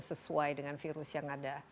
sesuai dengan virus yang ada